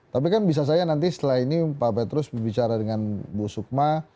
tapi kan bisa saya nanti setelah ini pak petrus berbicara dengan bu sukma